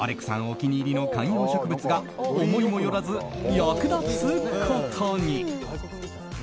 お気に入りの観葉植物が思いもよらず役立つことに！